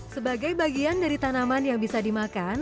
sebagai bagian dari tanaman yang bisa dimakan